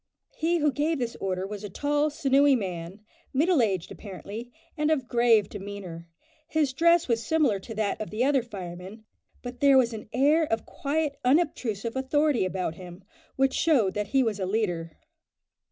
He who gave this order was a tall, sinewy man, middle aged apparently, and of grave demeanour. His dress was similar to that of the other firemen, but there was an air of quiet unobtrusive authority about him, which showed that he was a leader.